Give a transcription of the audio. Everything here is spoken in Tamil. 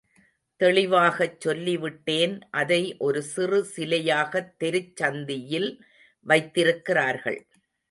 தெளிவாகச் சொல்லிவிட்டேன், அதை ஒரு சிறு சிலையாகத் தெருச் சந்தியில் வைத்திருக்கிறார்கள்.